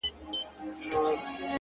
هره لاسته راوړنه لومړی خیال و.